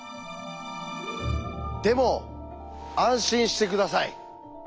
でも安心して下さい。